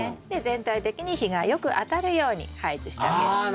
で全体的に日がよく当たるように配置してあげる。